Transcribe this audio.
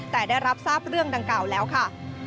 แต่ได้รับทราบเรื่องดังกล่าวแล้วค่ะ